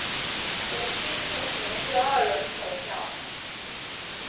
无须进行第二轮投票。